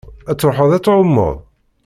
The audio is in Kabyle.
Ad truḥeḍ ad tɛummeḍ?